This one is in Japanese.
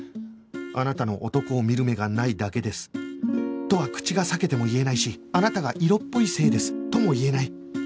あなたの男を見る目がないだけですとは口が裂けても言えないしあなたが色っぽいせいですとも言えない